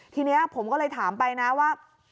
ทีนี้ผมก็เลยถามไปนะว่า